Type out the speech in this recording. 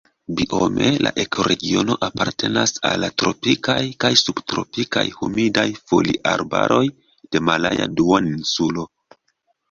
Biome la ekoregiono apartenas al la tropikaj kaj subtropikaj humidaj foliarbaroj de Malaja Duoninsulo.